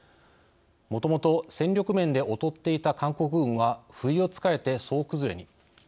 もともと戦力面で劣っていた韓国軍は不意をつかれて総崩れに。